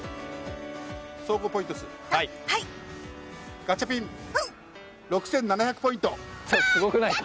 総合ポイント数ガチャピン、６７００ポイント。